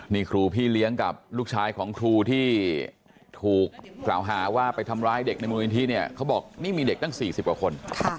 นี่ครูพี่เลี้ยงกับลูกชายของครูที่ถูกกล่าวหาว่าไปทำร้ายเด็กในมูลนิธิเนี่ยเขาบอกนี่มีเด็กตั้ง๔๐กว่าคน